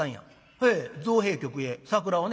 「へえ造幣局へ桜をね」。